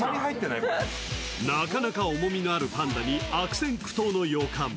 なかなか重みのあるパンダに悪戦苦闘の予感。